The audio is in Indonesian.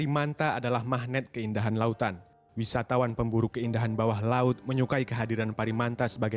mulai dari menyembuhkan kanker sampai obat kuat